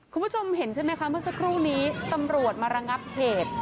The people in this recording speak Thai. คุณผู้ชมเห็นใช่ไหมคะเมื่อสักครู่นี้ตำรวจมาระงับเหตุ